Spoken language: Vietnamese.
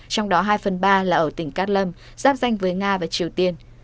trong đó hai phần ba là ở tỉnh cát lâm giáp danh với nga và triều tiên